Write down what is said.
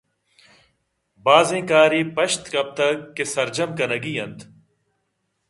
بازیں کارے پشت کپتگ کہ سرجم کنگی اَنت